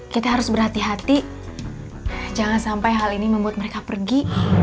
kita harus berhati hati jangan sampai hal ini membuat mereka pergi